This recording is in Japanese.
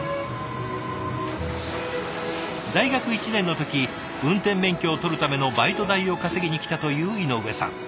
大学１年の時運転免許を取るためのバイト代を稼ぎに来たという井上さん。